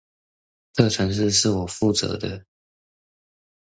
這程式是我負責的